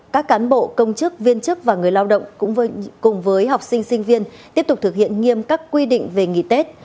các cán bộ công chức viên chức và người lao động cũng cùng với học sinh sinh viên tiếp tục thực hiện nghiêm các quy định về nghỉ tết